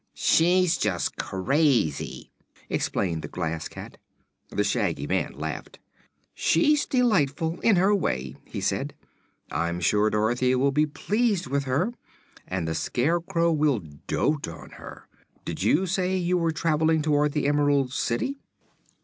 "She's just crazy," explained the Glass Cat. The Shaggy Man laughed. "She's delightful, in her way," he said. "I'm sure Dorothy will be pleased with her, and the Scarecrow will dote on her. Did you say you were traveling toward the Emerald City?"